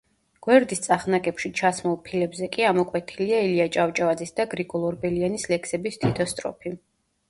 გვერდის წახნაგებში ჩასმულ ფილებზე კი ამოკვეთილია ილია ჭავჭავაძის და გრიგოლ ორბელიანის ლექსების თითო სტროფი.